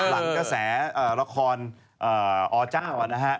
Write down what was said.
หลังกระแสละครอเจ้านะฮะ